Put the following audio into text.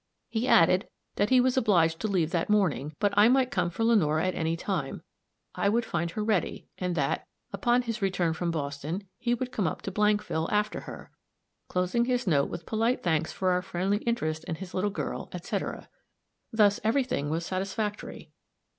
He added that he was obliged to leave that morning; but I might come for Lenore at any time; I would find her ready; and that, upon his return from Boston, he would come up to Blankville after her; closing his note with polite thanks for our friendly interest in his little girl, etc. Thus every thing was satisfactory.